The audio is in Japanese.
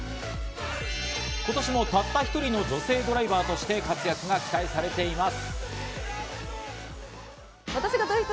今年もたった一人の女性ドライバーとして活躍が期待されています。